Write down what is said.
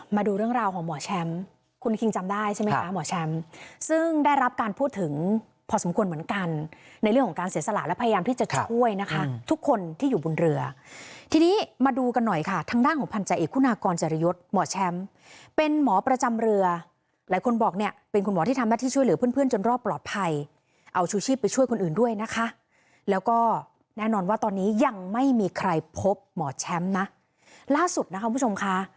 มาดูเรื่องราวของหมอแชมป์คุณคิงจำได้ใช่ไหมคะหมอแชมป์ซึ่งได้รับการพูดถึงพอสมควรเหมือนกันในเรื่องของการเสียสละและพยายามที่จะช่วยนะคะทุกคนที่อยู่บนเรือทีนี้มาดูกันหน่อยค่ะทางด้านของพันธ์ใจเอกคุณากรจรยศหมอแชมป์เป็นหมอประจำเรือหลายคนบอกเนี่ยเป็นคุณหมอที่ทำแบบที่ช่วยเหลือเพื่อนจนรอบปลอดภั